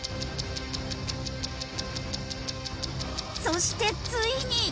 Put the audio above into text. そしてついに。